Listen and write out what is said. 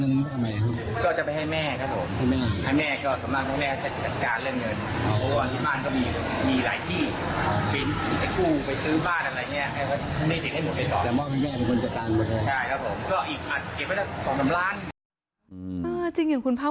และเห็นว่าสันขนาดววรรภคหลักการรายเงินแรงไม่เบา